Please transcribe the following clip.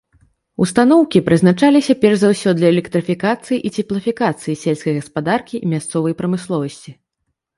Устаноўкі прызначаліся перш за ўсё для электрыфікацыі і цеплафікацыі сельскай гаспадаркі і мясцовай прамысловасці.